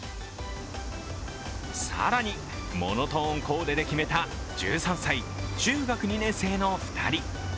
更にモノトーンコーデで決めた１３歳、中学２年生の２人。